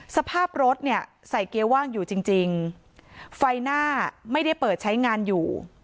สภาพรถเนี่ยใส่เกียร์ว่างอยู่จริงจริงไฟหน้าไม่ได้เปิดใช้งานอยู่